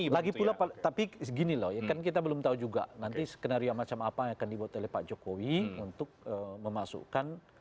lagi pula pak tapi gini loh ya kan kita belum tahu juga nanti skenario macam apa yang akan dibuat oleh pak jokowi untuk memasukkan